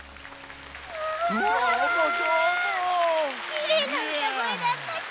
きれいなうたごえだったち。